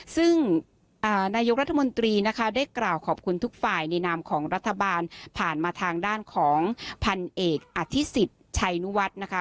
ซึ่งนายกรัฐมนตรีนะคะได้กล่าวขอบคุณทุกฝ่ายในนามของรัฐบาลผ่านมาทางด้านของพันเอกอธิษิตชัยนุวัฒน์นะคะ